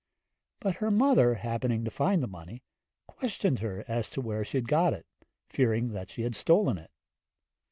But her mother happening to find the money, questioned her as to where she got it, fearing she had stolen it.